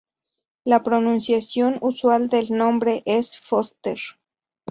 La pronunciación usual del nombre es "Foster".